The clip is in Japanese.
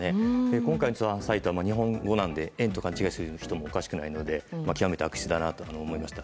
今回の通販サイトも日本語なので円と勘違いする人がいてもおかしくないので極めて悪質だと思いました。